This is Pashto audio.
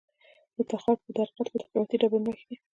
د تخار په درقد کې د قیمتي ډبرو نښې دي.